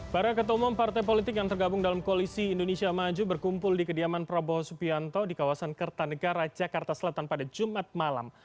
para ketua umum partai politik yang tergabung dalam koalisi indonesia maju berkumpul di kediaman prabowo subianto di kawasan kertanegara jakarta selatan pada jumat malam